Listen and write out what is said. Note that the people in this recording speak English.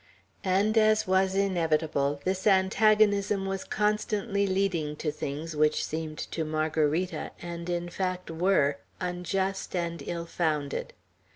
And, as was inevitable, this antagonism was constantly leading to things which seemed to Margarita, and in fact were, unjust and ill founded.